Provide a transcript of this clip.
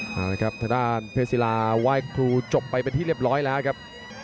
ทางด้านเพซิลาไวคลูจบไปเป็นที่เรียบร้อยแล้วครับ